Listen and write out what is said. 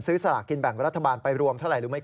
ซื้อสลากกินแบ่งรัฐบาลไปรวม